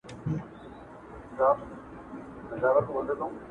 o مگر سر ستړی په سودا مات کړي,